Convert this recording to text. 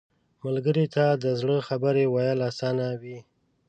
ملګری ته د زړه خبرې ویل اسانه وي